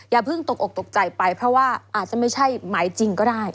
อย่าเพิ่งตกอกตกใจไปเพราะว่าอาจจะไม่ใช่หมายจริงก็ได้